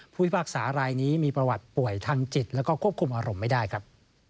พิพากษารายนี้มีประวัติป่วยทางจิตแล้วก็ควบคุมอารมณ์ไม่ได้ครับ